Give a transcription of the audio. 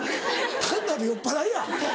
単なる酔っぱらいや！